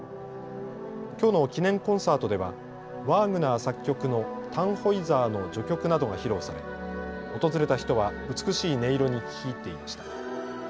きょうの記念コンサートではワーグナー作曲のタンホイザーの序曲などが披露され訪れた人は美しい音色に聞き入っていました。